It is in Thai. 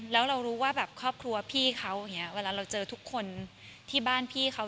แล้วเรารู้ว่าแบบครอบครัวพี่เขาอย่างนี้เวลาเราเจอทุกคนที่บ้านพี่เขา